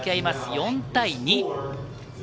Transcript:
４対２。